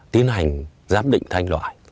tiến hành giám định thanh loại